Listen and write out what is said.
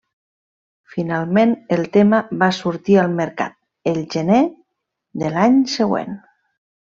Finalment, el tema va sortir al mercat el gener de l'any següent.